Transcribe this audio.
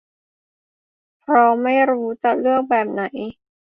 เพราะไม่รู้ว่าจะเลือกแบบไหน